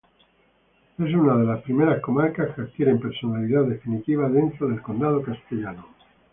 Es una de las primeras comarcas que adquieren personalidad definitiva dentro del condado castellano.